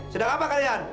sedang apa kalian